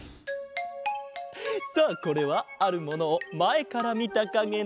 さあこれはあるものをまえからみたかげだ。